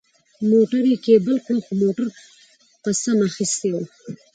موټر یې کېبل کړ، خو موټر قسم اخیستی و.